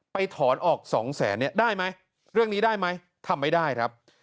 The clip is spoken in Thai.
ไปถอนออก๒๐๐๐๐๐บาทได้ไหมเรื่องนี้ได้ไหมทำไม่ได้ครับ